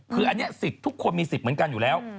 คืออันนี้สิทธิ์ทุกคนมีสิทธิ์เหมือนกันอยู่แล้ว